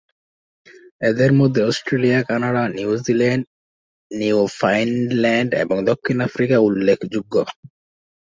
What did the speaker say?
এদের মধ্যে Australia, Canada, New Zealand, Newfoundland, এবং দক্ষিণ আফ্রিকা উল্লেখযোগ্য।